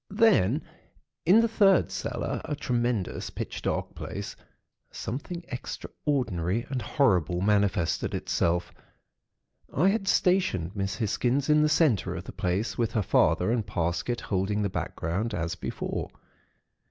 "Then, in the third cellar, a tremendous, pitch dark place, something extraordinary and horrible manifested itself. I had stationed Miss Hisgins in the centre of the place, with her father and Parsket holding the background, as before.